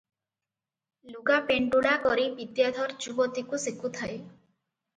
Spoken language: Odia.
ଲୁଗା ପେଣ୍ଡୁଳା କରି ବିଦ୍ୟାଧର ଯୁବତୀକୁ ସେକୁଥାଏ ।